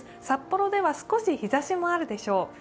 札幌では少し日ざしもあるでしょう。